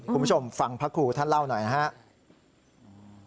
คุณผู้ชมฟังพระครูท่านเล่าหน่อยนะครับ